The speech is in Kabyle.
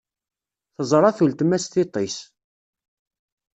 Teẓra-t uletma s tiṭ-is.